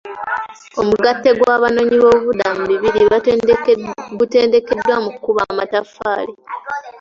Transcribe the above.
Omugatte gw'abanoonyiboobubuddamu bibiri gutendekeddwa mu kukuba amatafaali .